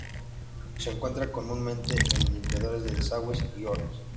Se encuentra comúnmente en limpiadores de desagües y hornos.